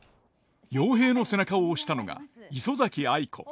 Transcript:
陽平の背中を押したのが磯崎藍子。